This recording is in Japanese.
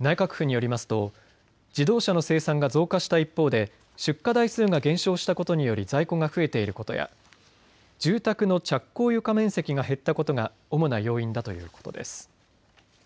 内閣府によりますと自動車の生産が増加した一方で出荷台数が減少したことにより在庫が増えていることや住宅の着工床面積が減ったことが主な要因だということです。